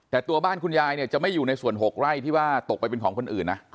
แต่ตัวบ้านคุณยายเนี่ยจะไม่อยู่ในส่วน๖ไร่ที่ว่าตกไปเป็นของคนอื่นนะ